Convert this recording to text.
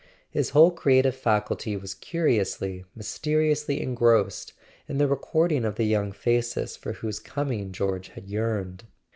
His whole creative faculty was curiously, mysteriously engrossed in the recording of the young faces for whose coming George had yearned.